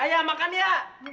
ayah makan ya